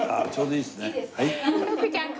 いいですか？